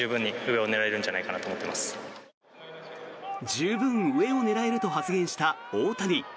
十分、上を狙えると発言した大谷。